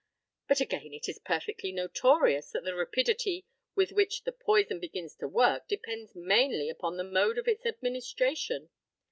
But, again, it is perfectly notorious that the rapidity with which the poison begins to work depends mainly upon the mode of its administration.